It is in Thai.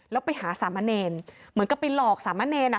แล้วไปหาสามะเนรเหมือนกับไปหลอกสามะเนรอ่ะ